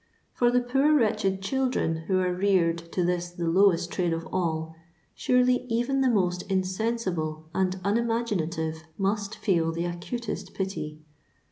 For the poor wretched children who are reared to this the lowest trade of all, surely even the most insensible and unimaginative must feel the acutest pity.